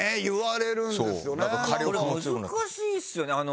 言われるんですよね。